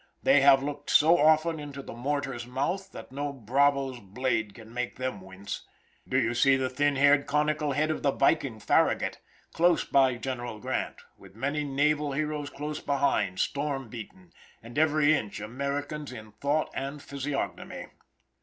They have looked so often into the mortar's mouth, that no bravo's blade can make them wince. Do you see the thin haired, conical head of the viking Farragut, close by General Grant, with many naval heroes close behind, storm beaten, and every inch Americans in thought and physiognomy?